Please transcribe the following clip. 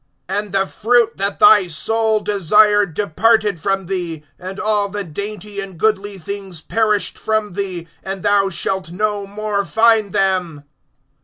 (14)And the fruit that thy soul desired departed from thee, and all the dainty and goodly things perished from thee, and thou shalt no more find them.